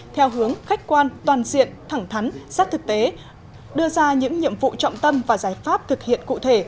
theo hướng khách quan toàn diện thẳng thắn sát thực tế đưa ra những nhiệm vụ trọng tâm và giải pháp thực hiện cụ thể